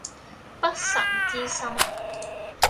不臣之心